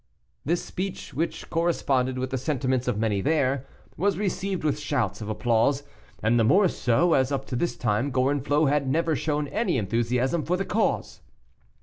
This speech, which corresponded with the sentiments of many there, was received with shouts of applause; and the more so, as up to this time Gorenflot had never shown any enthusiasm for the cause.